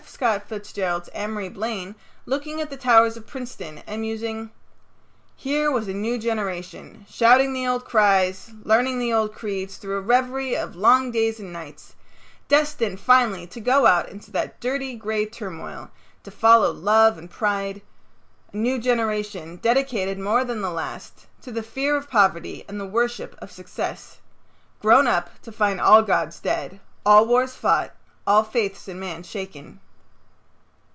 Scott Fitzgerald's Amory Blaine looking at the towers of Princeton and musing: Here was a new generation, shouting the old cries, learning the old creeds through a revery of long days and nights; destined finally to go out into that dirty gray turmoil to follow love and pride; a new generation dedicated more than the last to the fear of poverty and the worship of success; grown up to find all Gods dead, all wars fought; all faiths in man shaken....